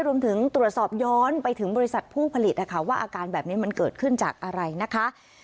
รวมถึงตรวจสอบย้อนไปถึงบริษัทผู้ผลิตนะคะว่าอาการแบบนี้มันเกิดขึ้นจากอะไรนะคะ